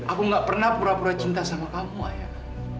aku gak pernah pura pura cinta sama kamu ayah